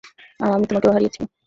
আর আমি তোমাকেও হারিয়েছি।